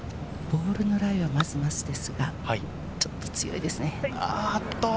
ボールのラインはまずまずですが、ちょっと強いですね。